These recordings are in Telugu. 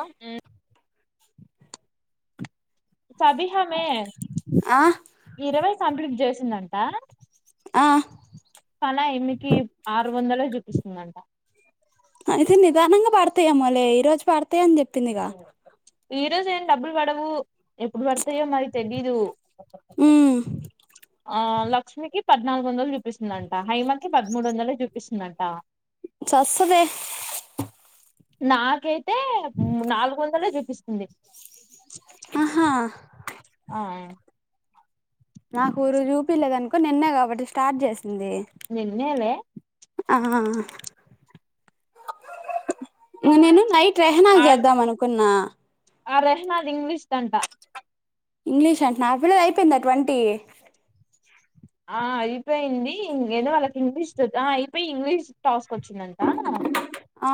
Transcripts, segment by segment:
ఉమ్ సబీహమే ఆ ఇరవై కంప్లీట్ జేసిందంట ఆ కళ ఈమెకి ఆరు వందలే జూపిస్తుందంట అయితే నిదానంగా పడతాయేమోలే ఈ రోజు పాడతాయ అని జెప్పిందిగా ఈ రోజు ఏం డబ్బులు బడవు ఎప్పుడు బడతాయో మరి తెలీదు ఉమ్ ఆ లక్ష్మికి పద్నాలుగు వందలు చూపిస్తుందంట హైమ కి పదమూడు వందలు జూపిస్తుందంట చస్తదే నాకైతే నాలుగు వందలే చూపిస్తుంది ఆహా ఆ నాకు ఊరు చూపిలేదునుకో నిన్నే కాబట్టి స్టార్ట్ చేస్ నిన్నెలే ఆ నేనీ నైట్ క్రహ్నాకు ఆ చేద్దాం అనుకున్నా తంట ఇంగ్లీష్ అంట నాకు కూడా అయిపోయిందా ట్వంటీ ఆ అయిపోయింది ఏదో వాళ్ళకి ఇంగ్లీష్ అయిపోయి ఇంగ్లీష్ టాస్ వచ్చింది అంత ఆ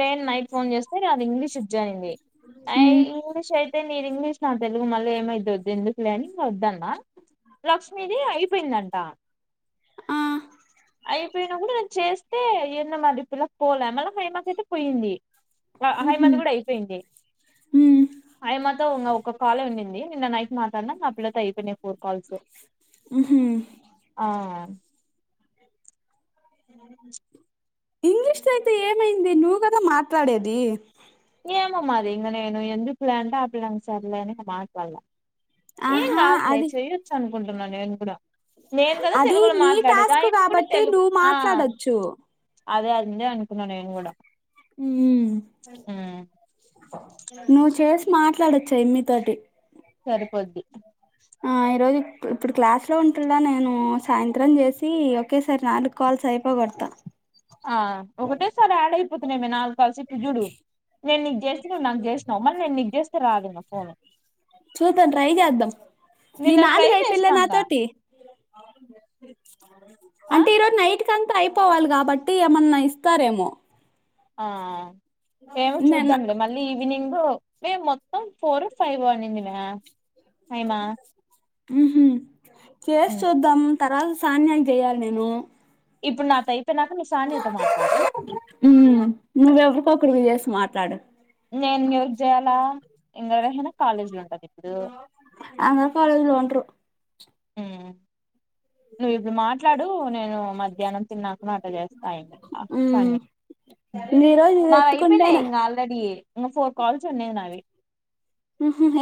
నేను నైట్ ఫోన్ చేస్తే అది ఇంగ్లీష్ అయింది ఆ ఇంగ్లీష్ అయితే నేను ఇంగ్లీష్ నా తెలుగు మళ్ళీ ఏమైతాడో అని వద్దు ఎందుకులే అని ఇగా వద్దన్న లక్ష్మీది అయిపోయిందంట ఆ అయిపోయినా కూడా నేను చేస్తే ఎన్న మరి పిల్లకి పోలే మళ్ళ హైమాక అయితే పోయింది హైమ ది కూడా ఉమ్ అయిపోయింది హైమతో ఒక కాలే ఉండిది నిన్న నైట్ మాట్లాడిన ఆ పిల్లతో అయిపోయింది కాల్స్ ఉహు ఆ ఇంగ్లీష్ కి అయితే ఏమైంది నువ్వు కదా మాట్లాడేది ఏమో మరి ఇంకా నేను ఎందుకులే అంటే ఆ పిల్ల సరిలే అని ఇంకా మాట్లాడలే ఏం ఆహా కాదులే అది చేయొచ్చ అనుకుంటున్న నేను కూడా నేను కదా అది తెలుగులో నీ మాట్లాడేది ఆ టాస్క్ యమ్మీ కూడా కాబట్టి తెలుగు నువ్వు ఆ మాట్లాడొచ్చు అదే అందే అనుకున్నా నేను కూడా ఉం ఉమ్, నువ్వు చేసి మాట్లాడొచ్చు ఆ ఎమి తోటి సరిపోద్ది ఆ ఈరోజు ఇప్పుడు క్లాస్ లో ఉంటుడా నేను సాయంత్రం చేసి ఓకే సారి నాలుగు కాల్స్ అయిపో కొడతా ఆ ఒకటేసారి యాడైపోతున్నామ నాలుగు కాల్స్ ఇప్పుడు చూడు నేను నీకు చేస్త నువ్వు నాకు చేసినావు మళ నేను నీకు చేస్తే రాదు ఇగ ఫోన్ చూద్దాం ట్రై చేద్దాం నీ నిన్న ట్రై నాలుగు అయిపోళ్ళ చేసినాంగా నాతోటి ఆ అంటే ఈరోజు నైట్ కంతా అయిపోవాలి కాబట్టి ఏమన్నా ఇస్తారేమో ఆ ఏమో నిన్న చూద్దాంలే మళ్ళీ ఈవినింగ్ మేము మొత్తం ఫోర్ ఓ ఫైవ్ అనింది మ్యా హైమా ఉహు చేసి ఉమ్. చూద్దాం తర్వాత సాన్యాకి చేయాలి నేను ఇప్పుడు నా త అయిపోయినాక నువ్వు సానియాతో మాట్లాడు కూల్ చేసి మాట్లాడు నేను ఎవరికీ జేయాల ఇంద రెహానా కాలేజీ లో ఉంటది ఇప్పుడు అందరు కాలేజ్ లో ఉండరు ఆ నువ్వు ఇప్పుడు మాట్లాడు నేను మధ్యాహ్నం తిన్నాక అట్ట చేస్తా ఉమ్ సానియాకి ఈ రోజు ఇది నాయి అయిపోయినాయి ఎత్తుకుంటేనే ఇగ ఆల్రెడీ ఫోర్ కాల్స్ ఉన్నవి నావి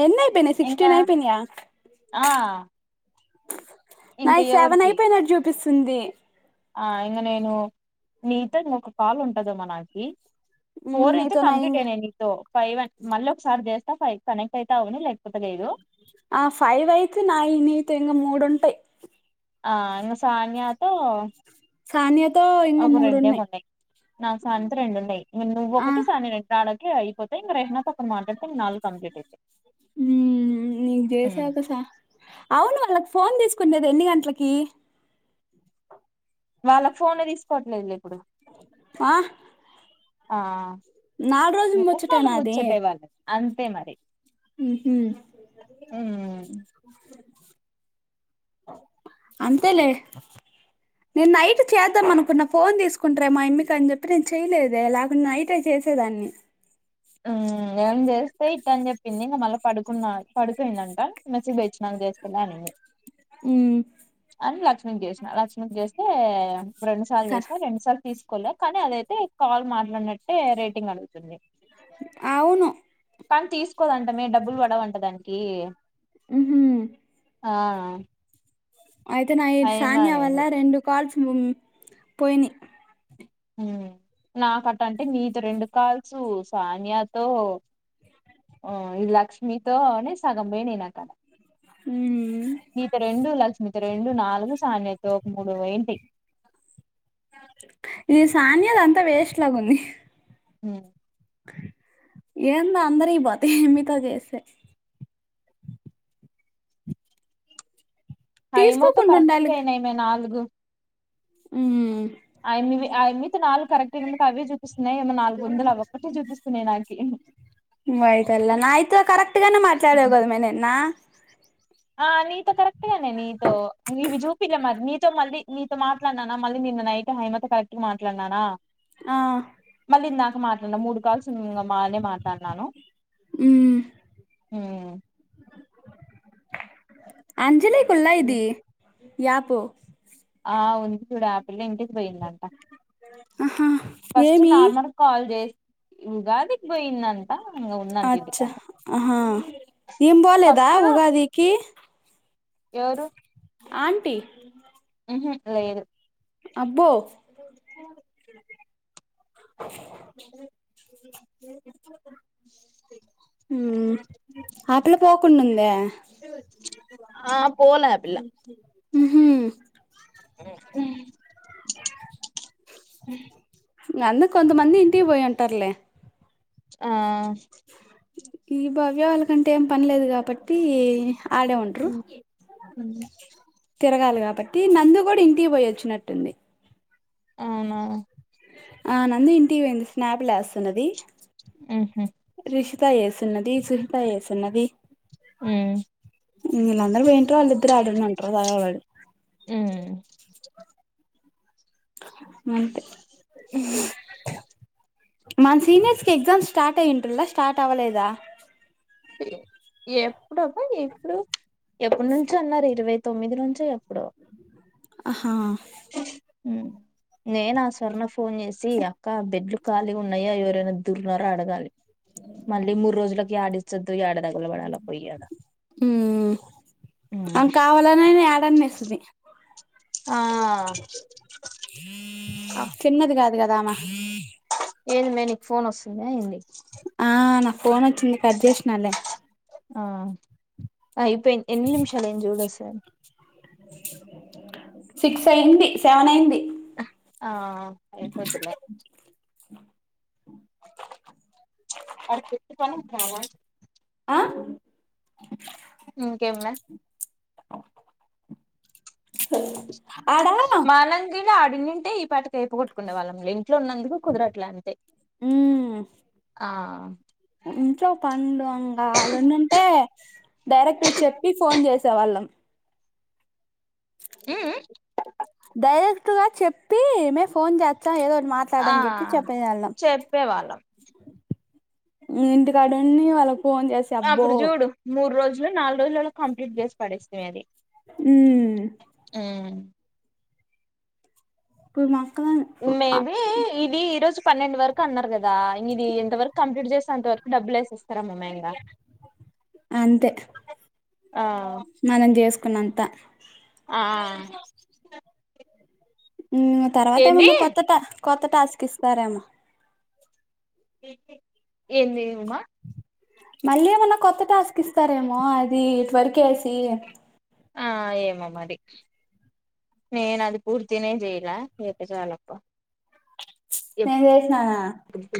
ఎన్నీ అయిపోయినాయి ఇంకా సిక్స్టీన్ అయిపోయినయా ఆ ఇంక నాయి సెవెన్ ఎవరికి అయిపోయినట్టు చూపిస్తుంది ఆ ఇంకా నేను నీతోని ఒక కాల్ ఉంటదేమో నాకీ మ్, ఫోర్ అయితే నీతో నాయి కంప్లీట్ అయినాయి నీతో ఫైవ్ అ మళ్ళీ ఒకసారి చేస్తా ఫైవ్ కనెక్ట్ అయితా అవుని ల ఆ ఫైవ్ అయితే నాయి నీతో ఇంకా మూడు ఉంటాయి ఆ ఇంగ సాన్యాతో సాని ఒక రెండేమో ఉన్నాయి నాకు సానింత రెండు ఉన్నాయి నువ్వు ఆ ఒకటి సానియా రెండు రాడ అయిపోతే ఇక రెహనా తోనా మాట్లాడితే ఇక నాలుగు కంప్లీట్ అయితాయి అవును వాళ్ళు ఫోన్ తీసు కునేది ఎన్ని గంటలకి వాళ్ళకి ఫోన్ తీసుకోవట్లేదులే ఇప్పుడు ఆ ఆ నాలుగు రోజుల మూన్నాళ్ళ ముచ్చటేనా అది ముచ్చటే వాళ్ళు అంతే మరి ఉహు అంతేలే నేను నైట్ చేద్దాం అనుకున్న ఫోన్ తీసుకుంటారేమో ఆ అమ్మికి అని చెప్పి నేను చేయలేదే లేకుంటే నైటే చే సేదాన్ని హ్మ్ ఏం చేస్తే ఇట్ట అని చెప్పింది ఇంకా మళ్ళీ పడుకున్న పడుపోయిందంట మెసేజ్ తెచ్చినాక చేస్తదా నేను హ్మ్ అని లక్ష్మిీకి చేసినా లక్ష్మిీకి చేస్తే రెండు సార్లు కా- చేసిన రెండు సార్లు తీసి కోలే కానీ అదైతే కాల్ మాట్లాడినట్టే రేటింగ్ అడుగుతుంది అవును పని తీసుకోదంటమే డబ్బులు పడవంట దానికి ఊహూ ఆ అయితే నాయి అయమ్మ సానియా అనింది వల్ల రెండు కాల్స్ పోయినియ్ హ్మ్ నాకట్టంటే నీతో రెండు కాల్సు సానియాతో ఆ ఈ లక్ష్మితోనే సగం పోయినియి నా కాల ఉమ్ నీతో రెండు లక్ష్మితో రెండు నాలుగు సానియాతో ఒకటి మూడు పోయింటి ఈ సానియా దంతా వేస్ట్ లాగా ఉంది హ్మ్ ఏందో అందరియి పోతయి మీతో చేస్తే హైమాతో తీసుకోకుండా కరెక్ట్గా అయినాయమయి నాలుగు హ్మ్ ఆ యమ్మివి ఆ యమ్మి తో నాలుగు కరెక్ట్ అయినందుకు అవే చూపిస్తున్నాయి ఏమో నాలుగు వందలు అవొక్కటే చూపిస్తున్నాయి నాకి వయితల్లె నాయితే కరక్ట్గానే మాట్లాడావు కదమ్మాయ్ నిన్న ఆ నీతో కరెక్ట్గానే నీతో నీవి చూపిలే మరి నీతో మళ్ళీ నీతో మాట్లాడినానా మళ్ళీ నిన్న నైట్ హైమాతో కరెక్ట్ గా మాట్లాడినాన ఆ ఇంకా మాట్లాడల మూడు కాల్స్ ఉన్నాయి ఇంగ బానే మాట్లాడినాను హ్మ్ హ్మ్ అంజలికులా ఇది యాపు ఆ ఉంది కూడా ఇంటికి పోయిందంట ఆహా ఫస్ట్ ఏమి నార్మల్ కాల్ చేస్ ఉగాదికి పోయిందంట ఇంగ ఉందంట ఇంటి కాడ ఈమె పోలేదా ఉగాదికి ఎవరు ఆంటీ ఊహూ లేదు అబ్బో హ్మ్ ఆ పిల్ల పోకుండుంద ఆ పోలే ఆ పిల్ల ఊహూ అ అందరు కొంతమంది ఇంటి పోయి ఉంటర్లే ఆ ఈ భవ్య వాళ్ళ కంటే ఏం పనిలేదు కాబట్టి ఆడే ఉంట్రు తిరగాలిగ కాబట్టి నందు కూడ ఇంటికి పోయిొచ్చినట్టుంది అవున ఆ నంది ఇంటిక్ పోయింది స్నాప్ లేస్తున్నది ఊహు రిషిత వస్తున్నది సుహిత వస్తున్నది ఉ వీళ్ళందరూ పోయింటరు వాళ్ళిద్దరు ఆడ ఉండి ఉంటారు సాగ వాళ్ళు ఉమ్ అంతే మన సీనియర్స్ కి ఎగ్జామ్స్ స్టార్ట్ అయ్యంటు ల్లా స్టార్ట్ అవ్వలేదా ఎప్పుడబ్బ ఎప్పుడు ఎప్పుడ్నుంచి అన్నారు ఇరవై తొమ్మిది నుంచి ఎప్పుడో అహా ఉమ్ నేను ఆ స్వర్ణ ఫోన్ చేసి అక్క బెడ్లు ఖాళీగ ఉన్నాయా ఎవరైనా దుర్నార అడగాలి మళ్ళీ మూడ్ రోజులకి ఆడిస్తుది [inaudible] అం కావాలనె యాడన్నేస్తుంది ఆ ఆ, తిన్నది కాదు కదామా ఏంది మె నీక్ ఫోన్ వస్తుంద ఏంది ఆ నా క్ ఫోన్ వచ్చింది కట్ చేసినాలే ఆ అయిపోయింది. ఎన్ని నిమిషాల అయింది. చూడు ఒక సారి సిక్స్ అయింది సెవెన్ అయింది ఆ అయిపోద్దిలే అ [unintelligible] ఆ ఇకేం లె ఆడా మనం కూడా ఆడుండింటే ఈ పాటకి ఐపో కొట్టుకునే వాళ్ళం లేంటి ఇంట్లో ఉన్నందుకు కుదరట్ల అంతే ఉమ్ ఆ ఇంట్లో పండు అంగా ఆడు ఉండుంటే డైరెక్ట్ చెప్పి ఫోన్ చేసి సెవాళ్ళం ఉమ్ డైరెక్ట్గా చెప్పి మే ఫోన్ చేస్ త ఏదోటి ఆ మాట్లాడని చెప్పి చెప్పని వెళ్ళం చెప్పేవాళ్ళం ఇంటి కాడ ఉండి వాళ్ళ అప్పుడు చూడు మూడు రోజులో నాలుగు రోజులలో కంప్లీట్ చేసి పడేస్తుంది అది ఉమ్ కుర్మా మేబీ ఇది ఈ రోజు పన్నెండు వరకు అన్నారు కదా ఇది ఇంతవరకు కంప్లీట్ చేస్త అంత వరకు డబ్బులు వేసేస్తారా మ్ మైన్ గా అంతె మనం చేస్కున్నంత ఆ మ్ తర్వాత ఏంది ఏమన్న కొత్త ట కొత్త టాస్క్ ఇస్తారేమో ఏంది ఉమా మళ్ళీ ఏమన్నా కొత్త టాస్క్ ఇస్తారేమో అది ఇటు వర్కేసి ఆ ఏమో మరి నేనది పూర్తినే చేయ్లా ఏత్తే చాలప్ప నేన్ చేస్నానా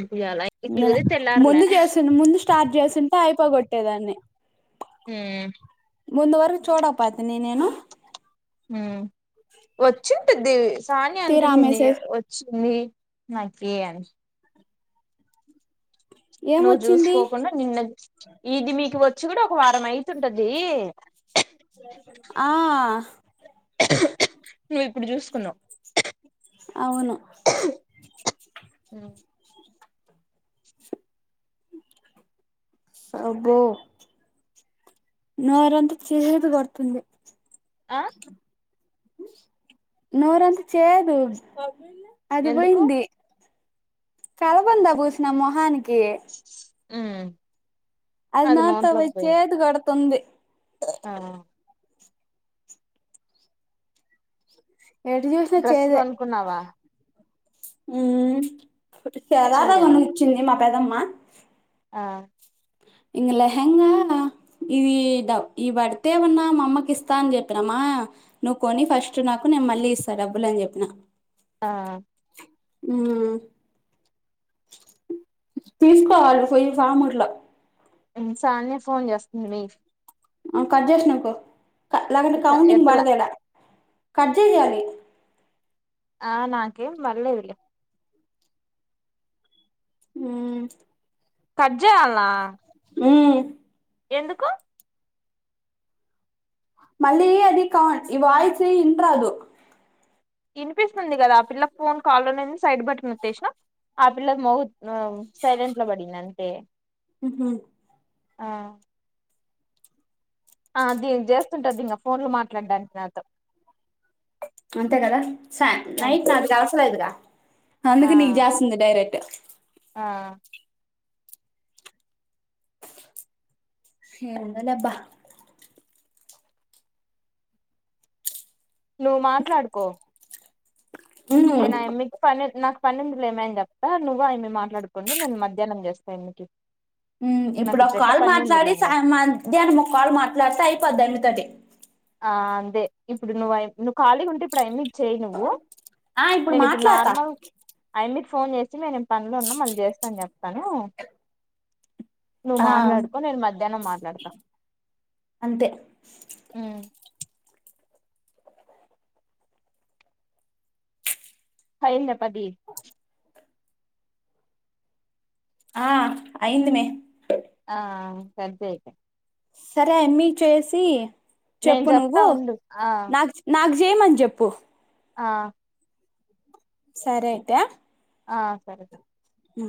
ఇయ్యాల నెనా ఇలుగుతే తెల్లార్లే ముందు చేసు ముందు స్టార్ట్ చేసుంటే అయిపోగొట్టేదాన్ని హ్మ్మ్ ముందు వరకు చూడ నేను మ్మ్హ్ వచ్చింటుద్ది తీరా సానియాంటుండింది మెసేజ్ వచ్చి ంది నైట్ ఫ్రీయేనేష్ నువ్వు ఏమొచ్చింది జూసుకోకుండా నిన్న ఇది మీకు వచ్చి కూడా ఒక వారం అయితుంటదీ ఆ [inaudible] నువిప్పుడు జూసుకున్నవ్ అవును అబ్బో నోరంత చేదు గొడుతుంది ఆ నోరంత చేదు అది ఎందుకు బొయింది కలబందా బూసిన మొహానికీ ఊ అది నోట్లో బోయి చేదు గొడుతుంది ఆ ఎటు జూసినా డ్రెస్ చేదే కొనుక్కున్నావా ఉమ్మ్మ్ శారార చీరనా గమనిచ్చింది మా పెదమ్మ ఆ ఇంగ లెహెంగా ఇదీ దబ్ ఇయిబడ్తేమన్నా మామ్మకిస్తా అని జెప్పినమా నువ్వు కొని ఫస్ట్ నాకు నేను మళ్ళీ ఇస్తా డబ్బులని జెప్పిన ఆ ఊ తీసుకోవాలి ఫొయ్యి ఫామ్ ఇట్లా ఉమ్ సాన్వీ ఫోన్ జాస్తుంది మీ ఆ కట్ జేష్ నొక్కు లేకుంటే కౌంటింగ్ ఎత్తలా బడదేడ కట్జే సెయాలి ఆ నాకేం బడ్లేదులే ఊ కట్జేయాల్నా ఊ ఎందుకు మళ్లీ అది కౌన్ ఈ వాయిసి ఇంట్రాళ్ళు ఇనిపిస్తుంది గదా ఆ పిల్ల ఫోన్ కాల్ను నేను సైడ్ బటనొత్తేష్న ఆ పిల్లది మోగు సైలెంట్ల పడింధంతే ఉహ్హూ ఆ ఆ దెగ్ జేస్తుంటంద్దింగ ఫోన్లు మాట్లాడ్డానికి నాతో అంతే కదా సా నైట్ అంతే నాకు జాస్తలేదుగా ఆ అందుకు నీక్ జాస్తుంది డైరెక్ట్ ఆ ఏవున్నదబ్బా నువ్వు మాట్లాడుకో ఉమ్ నేనా యమ్మికి పని నాక్ పనిందిలేమీ అన్జెప్తా నువ్వు ఆయమ్మీ మాట్లాడుకొండి నేన్ మధ్యాహ్నం జేస్త నీకి మ్మ్ ఇప్పుడోక్కాల్ మాట్లాడి సా ఇంగ మధ్యాహ్నం ఒక్కాల్ మాట్లాడితే అయిపోద్దాయమ్మితోటి ఆ అంతే ఇప్పుడు అయ్ నువ్వు నువ్ ఖాళీగా ఉంట ఇప్పుడు అఎన్ని చేయి నువ్వు ఆ నేను ఇప్పుడు మాట్లాడతా నార్మల్ అయమ్మీ ఫోన్ చేసి నేనేం పనులో ఉన్నాం మళ్ళీ చేస్తాని చెప్తాను నువ్వు ఆ మాట్లాడుకో నేను మధ్యాహ్నం మాట్లాడతా అంతే ఉమ్ అయ్యిందా పది ఆ అయింది మే ఆ సద్దేసా సరే ఎమి చేసి నేను చెప్పు చెప్తా నువ్వు ఉండు ఆ నాకు నాకు చేయమని చెప్పు ఆ సరే అయితే ఆ సరే ఊ